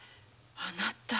あなた。